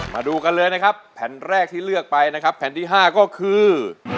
มาดูกันเลยนะครับแผ่นแรกที่เลือกไปนะครับแผ่นที่๕ก็คือ